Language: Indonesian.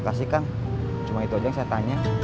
kau mau jaga aja